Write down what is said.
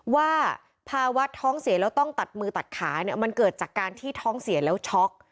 ว่าภาวะท้องเสียแล้วต้องตัดมือตัดขาเนี่ยมันเกิดจากการที่ท้องเสียแล้วช็อก